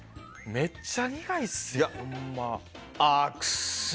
めっちゃ苦いっすよ。